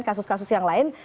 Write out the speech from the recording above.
kasus kasus yang lain